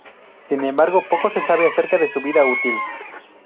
Sin embargo, poco se sabe acerca de su vida útil.